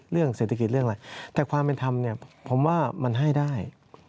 เรื่องเศรษฐกิจเรื่องอะไรแต่ความเป็นธรรมเนี่ยผมว่ามันให้ได้